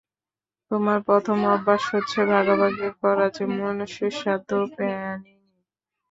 তোমার প্রথম অভ্যাস হচ্ছে ভাগাভাগি করা, যেমন সুস্বাদু প্যানিনি।